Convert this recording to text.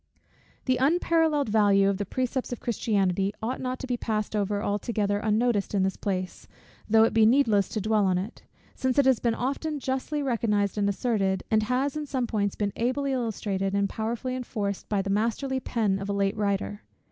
The unparalleled value of the precepts of Christianity ought not be passed over altogether unnoticed in this place, though it be needless to dwell on it; since it has been often justly recognized and asserted, and has in some points been ably illustrated, and powerfully enforced by the masterly pen of a late writer.